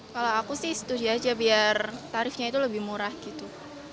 kalau aku sih setuju aja biar tarifnya itu lebih murah gitu